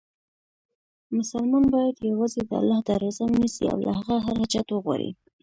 مسلمان باید یووازې د الله دروازه ونیسي، او له هغه هر حاجت وغواړي.